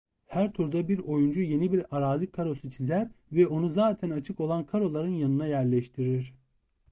Her turda bir oyuncu yeni bir arazi karosu çizer ve onu zaten açık olan karoların yanına yerleştirir.